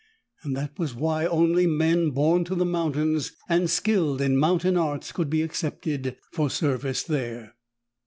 That was why only men born to the mountains and skilled in mountain arts could be accepted for service there.